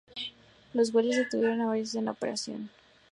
Los guardias detuvieron a varias personas en la operación.